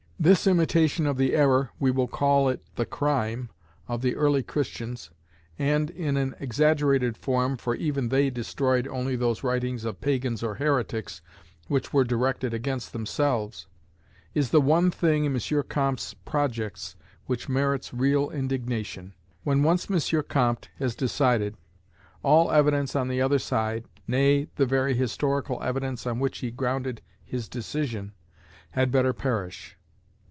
This imitation of the error, we will call it the crime, of the early Christians and in an exaggerated form, for even they destroyed only those writings of pagans or heretics which were directed against themselves is the one thing in M. Comte's projects which merits real indignation. When once M. Comte has decided, all evidence on the other side, nay, the very historical evidence on which he grounded his decision, had better perish.